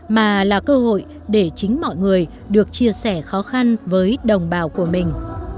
mà là cơ hội để chính mọi người được chia sẻ khó khăn với đồng bào của mình